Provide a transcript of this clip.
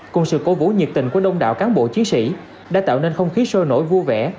cùng sự cố vũ nhiệt tình của đông đảo cán bộ chiến sĩ đã tạo nên không khí sôi nổi vui vẻ